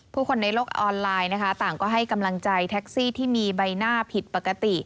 คนในโลกออนไลน์นะคะต่างก็ให้กำลังใจแท็กซี่ที่มีใบหน้าผิดปกติ